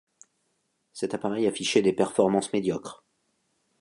Cet appareil affichait des performances médiocres.